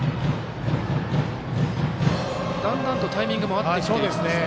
だんだんとタイミングも合ってきていますね。